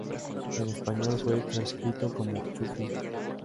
En español, fue transcrito como Chü-fu.